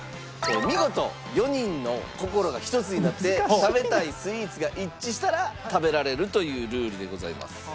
見事４人の心がひとつになって食べたいスイーツが一致したら食べられるというルールでございます。